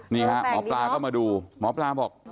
หมอปลาก็มาดูหมอปลาบอก